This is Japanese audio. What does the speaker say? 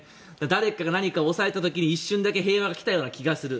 誰かが何かを抑えた時に一瞬だけ平和が来たような気がする。